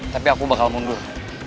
tapi aku bakal mundur